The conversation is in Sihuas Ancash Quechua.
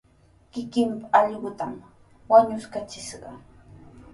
Kikinpa allquntami wañuskachishqa.